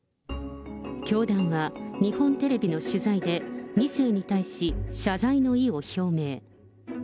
教団は日本テレビの取材で、２世に対し、謝罪の意を表明。